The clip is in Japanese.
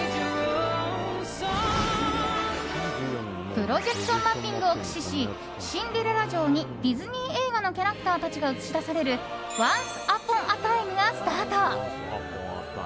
プロジェクションマッピングを駆使しシンデレラ城にディズニー映画のキャラクターたちが映し出されるワンス・アポン・ア・タイムがスタート。